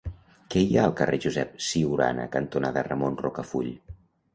Què hi ha al carrer Josep Ciurana cantonada Ramon Rocafull?